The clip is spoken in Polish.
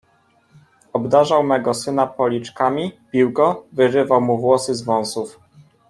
"Obdarzał mego syna policzkami, bił go, wyrywał mu włosy z wąsów."